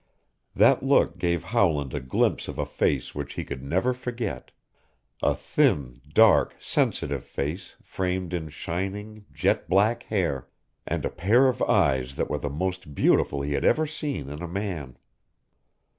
That look gave Howland a glimpse of a face which he could never forget a thin, dark, sensitive face framed in shining, jet black hair, and a pair of eyes that were the most beautiful he had ever seen in a man.